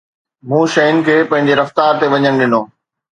مون شين کي پنهنجي رفتار تي وڃڻ ڏنو